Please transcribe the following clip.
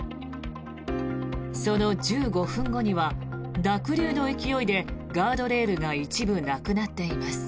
その１５分後には濁流の勢いでガードレールが一部なくなっています。